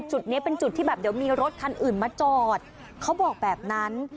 จุดนี้เป็นจุดที่แบบเดี๋ยวมีรถคันอื่นมาจอดเขาบอกแบบนั้น